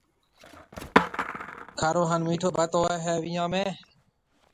کارو هانَ مِٺو ڀت هوئي هيَ ويهان ۾۔